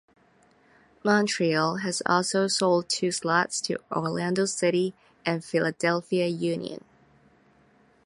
Montreal has also sold two slots to Orlando City and Philadelphia Union.